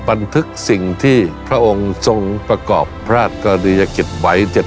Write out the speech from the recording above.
บันทึกสิ่งที่พระองค์ทรงประกอบพระราชกรณียกิจไว้